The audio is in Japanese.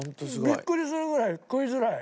ビックリするぐらい食いづらい。